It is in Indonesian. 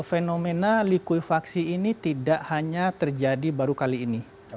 fenomena likuifaksi ini tidak hanya terjadi baru kali ini